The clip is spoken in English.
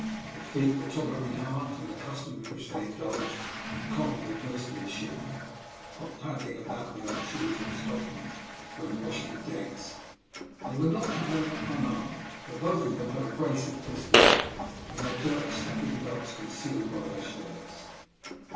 Their feet were tolerably hard, from the custom in which they indulged, in common with most midshipmen, of paddling about without shoes or stockings when washing decks. They were not however unarmed, for both of them had a brace of pistols and their dirks stuck in belts concealed by their shirts.